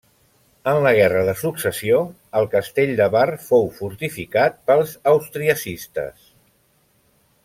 En la guerra de Successió, el castell de Bar fou fortificat pels austriacistes.